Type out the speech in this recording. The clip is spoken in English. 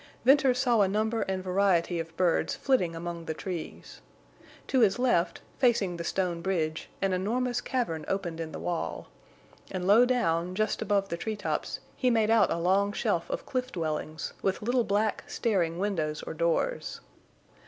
Venters saw a number and variety of birds flitting among the trees. To his left, facing the stone bridge, an enormous cavern opened in the wall; and low down, just above the tree tops, he made out a long shelf of cliff dwellings, with little black, staring windows or doors.